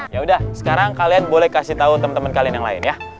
ya udah sekarang kalian boleh kasih tahu teman teman kalian yang lain ya